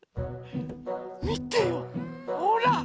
みてよほら！